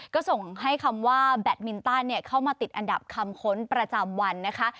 ก็ส่งให้คำว่าแบตมินตันเข้ามาติดอันดับคำค้นประจำวันนะคะ